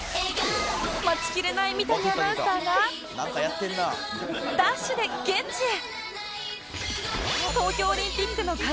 待ちきれない三谷アナウンサーがダッシュで現地へ！